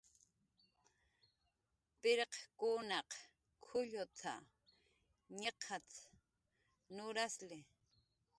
"Pirqkunaq k""ullut""a, ñiqat"" nurasli"